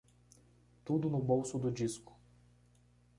Tudo no bolso do disco